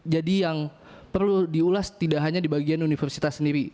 jadi yang perlu diulas tidak hanya di bagian universitas sendiri